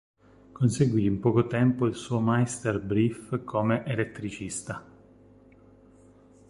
Conseguì in poco tempo il suo Meisterbrief come elettricista.